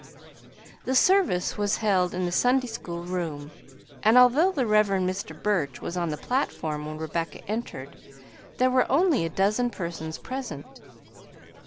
The service was held in the Sunday school room, and although the Rev. Mr. Burch was on the platform when Rebecca entered, there were only a dozen persons present.